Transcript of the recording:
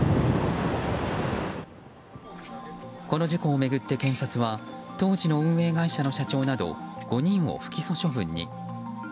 この事故を巡って、検察は当時の運営会社の社長など５人を不起訴処分に。